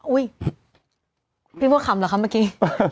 อุ๊ยพี่บัวขำเหรอคะเมื่อกี้